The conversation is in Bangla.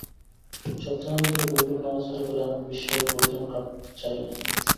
সপ্তাহখানেক ধরে বইগুলো নাড়াচাড়া করে আমার বিস্ময়ের ঘোর যেন কাটতে চায়-ই না।